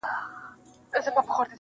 انسان لا هم زده کوي,